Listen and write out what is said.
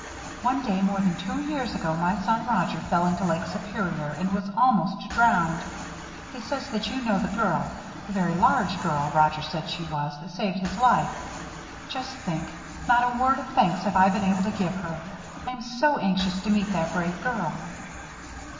One day, more than two years ago, my son Roger fell into Lake Superior and was almost drowned. He says that you know the girl a very large girl, Roger said she was that saved his life. Just think! Not a word of thanks have I ever been able to give her. I am so anxious to meet that brave girl."